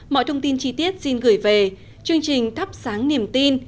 mọi thông tin chi tiết xin gửi về chương trình thắp sáng niềm tin